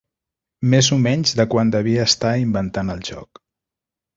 Més o menys de quan devia estar inventant el joc.